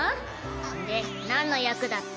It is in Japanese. で何の役だって？